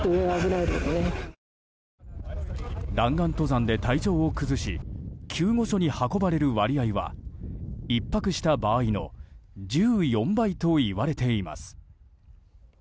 弾丸登山で体調を崩し救護所に運ばれる割合は１泊した場合の１４倍といわれています。